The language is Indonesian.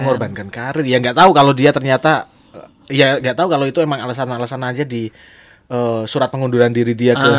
mengorbankan karir ya gak tau kalo dia ternyata ya gak tau kalo itu emang alesan alesan aja di surat pengunduran diri dia